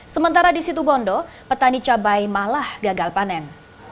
sementara di situ bondo petani cabai malah gagal panen